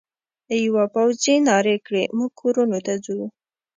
یوه پوځي نارې کړې: موږ کورونو ته ځو.